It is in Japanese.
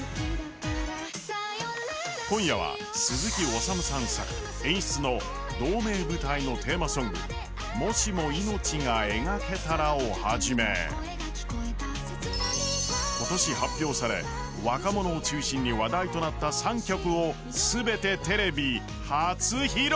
今夜は鈴木おさむさん作・演出の同名舞台のテーマソング「もしも命が描けたら」をはじめ、今年発表され、若者を中心に話題となった３曲を全てテレビ初披露。